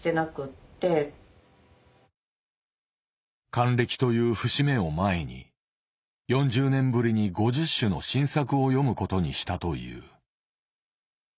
還暦という節目を前に４０年ぶりに５０首の新作を詠むことにしたという。